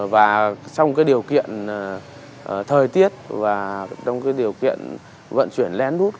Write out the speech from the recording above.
và trong điều kiện thời tiết và trong điều kiện vận chuyển len đút